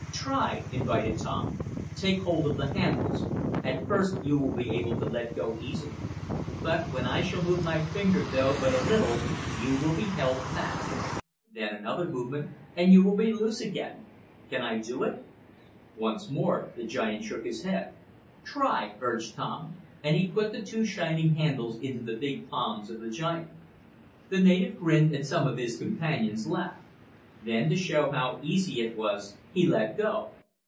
"Try," invited Tom. "Take hold of the handles. At first you will be able to let go easily. But, when I shall move my finger though but a little, you will be held fast. Then, another movement, and you will be loose again. Can I do it?" Once more the giant shook his head. "Try," urged Tom, and he put the two shining handles into the big palms of the giant. The native grinned and some of his companions laughed. Then to show how easy it was he let go.